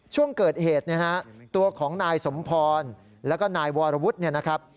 ช่วงเกิดเหตุตัวของนายสมพรแล้วก็นายวรวุฒินะครับ